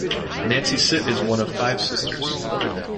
Nancy Sit is one of five sisters.